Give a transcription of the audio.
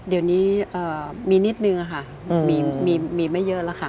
เดี๋ยวนี้มีนิดนึงค่ะมีไม่เยอะแล้วค่ะ